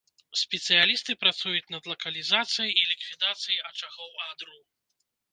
Спецыялісты працуюць над лакалізацыяй і ліквідацыяй ачагоў адру.